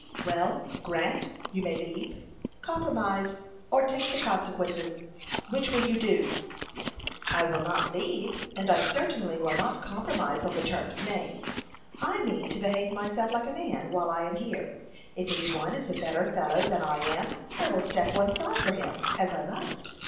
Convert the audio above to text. "Well, Grant, you may leave, compromise, or take the consequences. Which will you do?" "I will not leave; and I certainly will not compromise on the terms named. I mean to behave myself like a man, while I am here. If any one is a better fellow than I am, I will step one side for him, as I must.